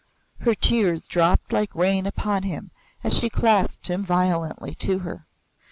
Her tears dropped like rain upon him as she clasped him violently to her.